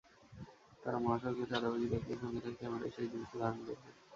তারা মহাসড়কে চাঁদাবাজি দেখলেই সঙ্গে থাকা ক্যামেরায় সেই দৃশ্য ধারণ করবে।